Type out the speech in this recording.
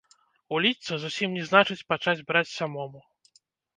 Уліцца, зусім не значыць пачаць браць самому.